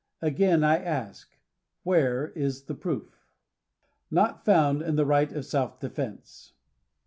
Again I ask, where is that proof? NOT FOUND IN THE RIGHT OF 8ELF DEFENS8.